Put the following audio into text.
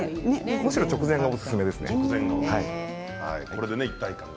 むしろ直前がおすすめです。